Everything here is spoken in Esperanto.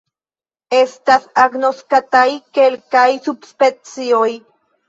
Estas agnoskataj kelkaj subspecioj.